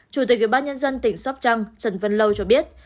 chủ tịch ủy ban nhân dân tỉnh sóc trăng trần văn lâu cho biết